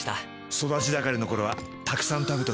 育ち盛りの頃はたくさん食べてほしくて。